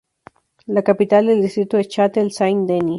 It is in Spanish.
La capital del distrito es Châtel-Saint-Denis.